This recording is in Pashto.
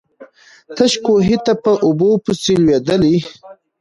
تش کوهي ته په اوبو پسي لوېدلی.